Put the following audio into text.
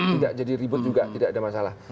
tidak jadi ribut juga tidak ada masalah